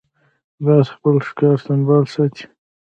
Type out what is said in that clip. باز خپل ښکار سمبال ساتي